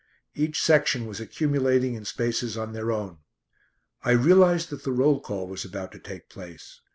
Each section was accumulating in spaces on their own. I realised that the roll call was about to take place.